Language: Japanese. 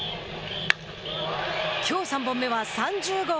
きょう３本目は３０号。